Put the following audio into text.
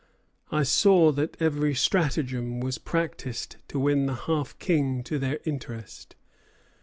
I saw that every stratagem was practised to win the Half King to their interest."